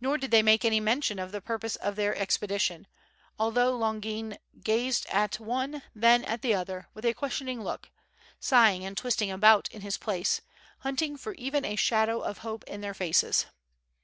Nor did they make any mention of the purpose of their expe dition, although Longin gazed at one then at the other, with a questioning look, sighing and twisting about in his place, hunting for even a shadow of hope in their faces.